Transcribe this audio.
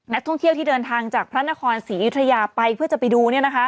นักท่องเที่ยวที่เดินทางจากพระนครศรีอยุธยาไปเพื่อจะไปดู